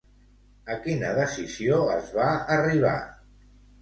A quina decisió es va arribar?